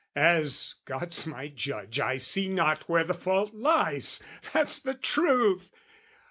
as God's my judge I see not where the fault lies, that's the truth!